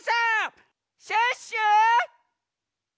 シュッシュ！